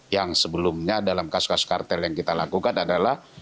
yang sebelumnya dalam kasus kasus kartel yang kita lakukan adalah